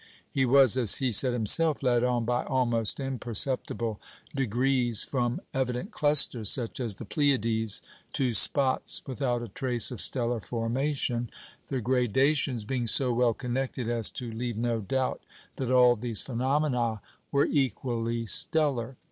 He was (as he said himself) led on by almost imperceptible degrees from evident clusters, such as the Pleiades, to spots without a trace of stellar formation, the gradations being so well connected as to leave no doubt that all these phenomena were equally stellar.